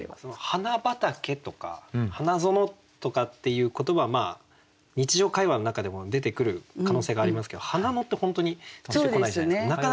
「花畑」とか「花園」とかっていう言葉は日常会話の中でも出てくる可能性がありますけど「花野」って本当に出てこないじゃないですか。